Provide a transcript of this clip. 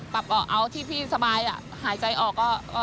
ปรับเบาะเอาที่พี่สบายหายใจออก